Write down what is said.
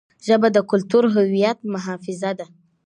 ژبه د کلتوري هویت محافظه ده.